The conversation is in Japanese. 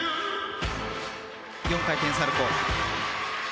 ４回転サルコウ。